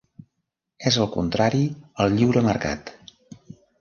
És el contrari al lliure mercat.